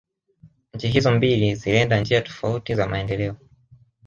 Nchi hizo mbili zilienda njia tofauti za maendeleo